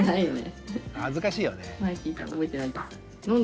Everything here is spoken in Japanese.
恥ずかしいよね。